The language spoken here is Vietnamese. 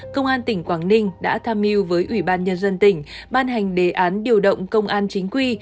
công an tỉnh quảng ninh đã tham mưu với ủy ban nhân dân tỉnh ban hành đề án điều động công an chính quy